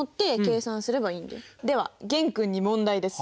では玄君に問題です。